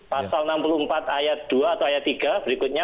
pasal enam puluh empat ayat dua atau ayat tiga berikutnya